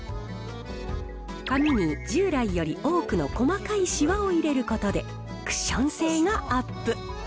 紙に従来より多くの細かいしわを入れることで、クッション性がアップ。